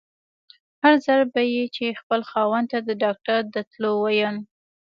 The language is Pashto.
هر ځل به يې چې خپل خاوند ته د ډاکټر د تلو ويل.